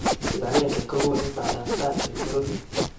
kipagenge kokonu pandaptai eng pororiet